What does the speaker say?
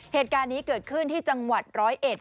เหตุการณ์นี้เกิดขึ้นที่จังหวัดร้อยเอ็ด